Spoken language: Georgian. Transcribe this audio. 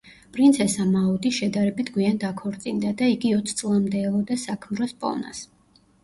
პრინცესა მაუდი შედარებით გვიან დაქორწინდა და იგი ოც წლამდე ელოდა საქმროს პოვნას.